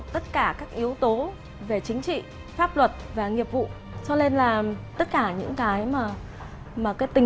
và đều đảm bảo yếu tố an toàn hàng đầu